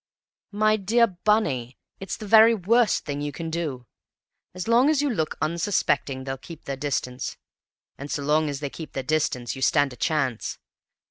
"My dear Bunny, it's the very worst thing you can do. As long as you look unsuspecting they'll keep their distance, and so long as they keep their distance you stand a chance.